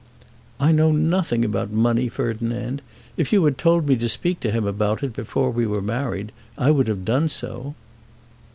"I know nothing about money, Ferdinand. If you had told me to speak to him about it before we were married I would have done so."